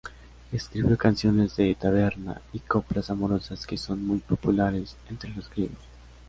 Escribió canciones de taberna y coplas amorosas que son muy populares entre los griegos.